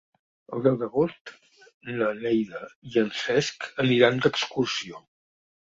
El deu d'agost na Neida i en Cesc aniran d'excursió.